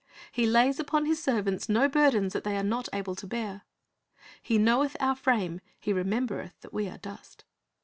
He lays upon His servants no burdens that they are not able to bear. "He knoweth our frame; He remembereth that we are dust."